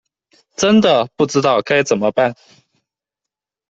真的不知道该怎么办